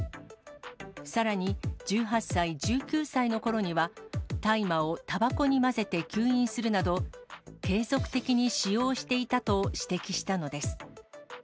さらに１８歳、１９歳のころには大麻をたばこに混ぜて吸引するなど、継続的に使用していたと指摘したのです。